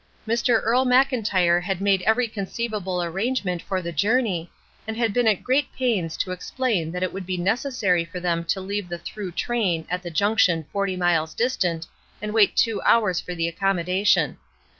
Mr. Earle Mcln tyre had made every conceivable arrangement for the journey, and been at great pains to ex plain that it would be necessary for them to leave the through train at the junction forty miles distant and wait two hours for the accom modation.